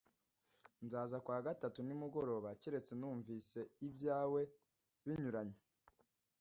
Nzaza ku wa gatatu nimugoroba keretse numvise ibyawe binyuranye.